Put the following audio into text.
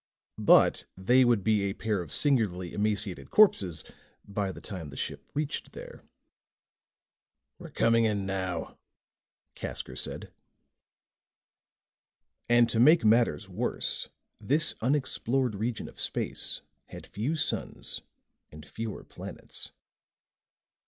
But they would be a pair of singularly emaciated corpses by the time the ship reached there. "We're coming in now," Casker said. And to make matters worse, this unexplored region of space had few suns and fewer planets.